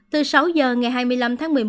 từ sáu giờ ngày hai mươi năm tháng một mươi một